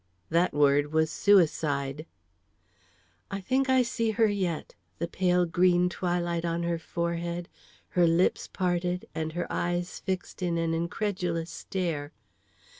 That word was suicide! I think I see her yet, the pale green twilight on her forehead, her lips parted, and her eyes fixed in an incredulous stare.